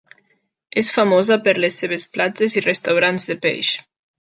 És famosa per les seves platges i restaurants de peix.